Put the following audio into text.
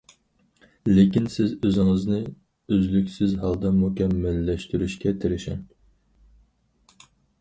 لېكىن سىز ئۆزىڭىزنى ئۈزلۈكسىز ھالدا مۇكەممەللەشتۈرۈشكە تېرىشىڭ.